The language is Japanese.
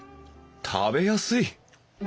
食べやすい！